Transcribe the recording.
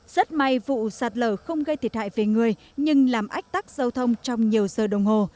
rất may vụ sạt lở không gây thiệt hại về người nhưng làm ách tắc giao thông trong nhiều giờ đồng hồ